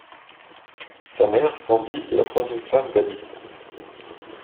Sa mère, Sandy, est la troisième femme d'Abi.